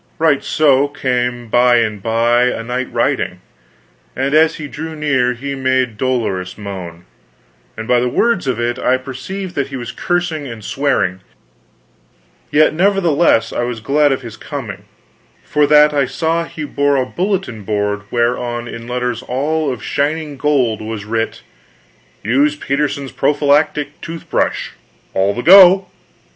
Right so came by and by a knight riding; and as he drew near he made dolorous moan, and by the words of it I perceived that he was cursing and swearing; yet nevertheless was I glad of his coming, for that I saw he bore a bulletin board whereon in letters all of shining gold was writ: "USE PETERSON'S PROPHYLACTIC TOOTH BRUSH ALL THE GO."